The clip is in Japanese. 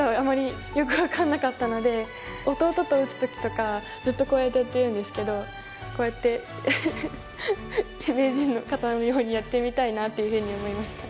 弟と打つ時とかずっとこうやってやってるんですけどこうやって名人の方のようにやってみたいなっていうふうに思いました。